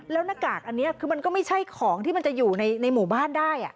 แล้วหน้ากากอันนี้คือมันก็ไม่ใช่ของที่มันจะอยู่ในหมู่บ้านได้